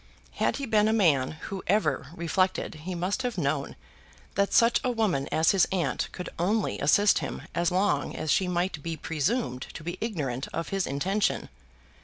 Had he been a man who ever reflected he must have known that such a woman as his aunt could only assist him as long as she might be presumed to be ignorant of his intention.